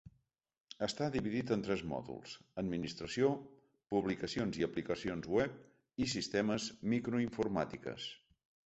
Està dividit en tres mòduls: administració, publicacions i aplicacions web, i sistemes microinformàtiques.